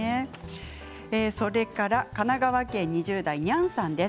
それから神奈川県２０代の方です。